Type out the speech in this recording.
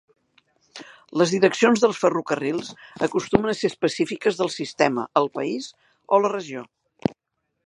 Les direccions dels ferrocarrils acostumen a ser específiques del sistema, el país o la regió.